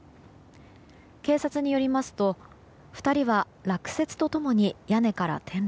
警察によりますと２人は落雪と共に屋根から転落。